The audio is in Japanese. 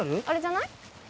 あれじゃない？